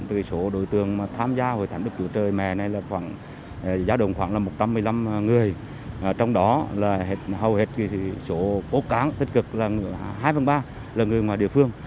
từ số đối tượng tham gia hội thánh đức chúa trời mẹ này là giá đồng khoảng một trăm một mươi năm người trong đó hầu hết số cố cán tích cực là hai phần ba là người ngoài địa phương